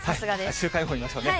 週間予報見ましょうね。